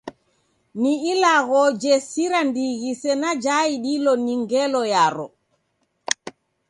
Ni ilagho jesira ndighi sena jiidilo ni ngelo yaro.